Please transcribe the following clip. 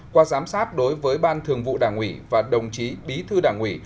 một qua giám sát đối với ban thường vụ đảng ủy và đồng chí bí thư đảng ủy